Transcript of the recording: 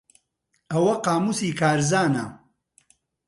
ئەوە قامووسی کارزانە.